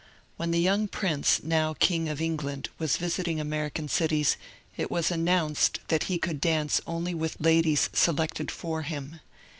When the young prince, now king of England, was visiting Ameri can cities, it was announced that he could dance only with ladies selected for him.